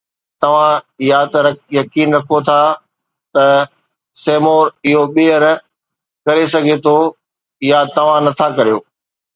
توهان يا ته يقين رکون ٿا ته سيمور اهو ٻيهر ڪري سگهي ٿو يا توهان نٿا ڪريو